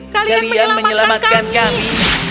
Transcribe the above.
kalian menyelamatkan kami